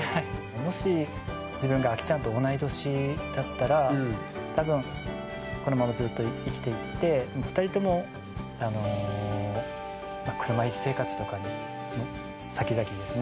もし自分がアキちゃんと同い年だったら多分このままずっと生きていって２人ともあの車いす生活とかにさきざきですね